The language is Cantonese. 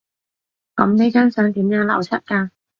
噉呢張相點樣流出㗎？